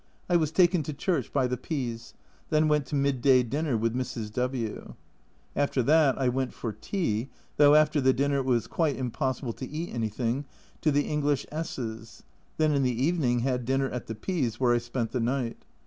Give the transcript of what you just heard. I was taken to church by the P s. Then went to midday dinner with Mrs. W . After that I went for tea (though after the dinner it was quite impossible to eat anything) to the English Sh s. Then in the evening had dinner at the P s, where I spent the night.